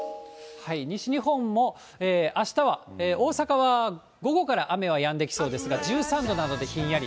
西日本もあしたは大阪は午後から雨はやんできそうですが、１３度なのでひんやり。